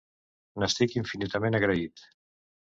N'estic infinitament agraït.